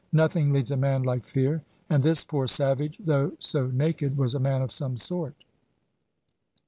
Nothing leads a man like fear; and this poor savage, though so naked, was a man of some sort.